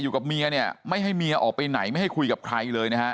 อยู่กับเมียเนี่ยไม่ให้เมียออกไปไหนไม่ให้คุยกับใครเลยนะฮะ